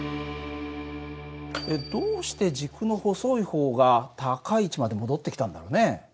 どうして軸の細い方が高い位置まで戻ってきたんだろうね？